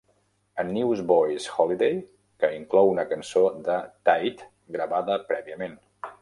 A Newsboys Holiday, que inclou una cançó de Tait gravada prèviament.